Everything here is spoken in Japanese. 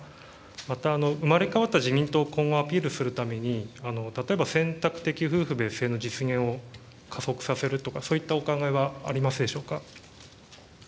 また、生まれ変わった自民党を今後、アピールするために、例えば選択的夫婦別姓の実現を加速させるとか、そういったお考えはあり